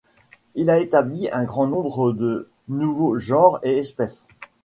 Il a établi un grand nombre de nouveaux genres et espèces.